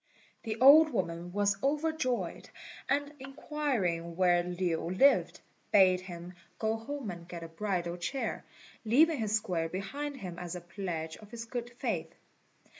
The old woman was overjoyed, and inquiring where Lin lived, bade him go home and get a bridal chair, leaving his square behind him as a pledge of his good faith.